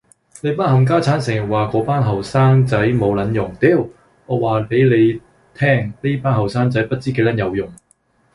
你班冚家剷成日話果班後生仔冇撚用，屌，我話俾你聽呢班後生仔不知幾撚有用